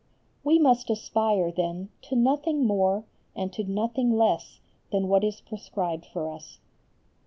We must aspire, then, to nothing more and to nothing less than what is prescribed for us.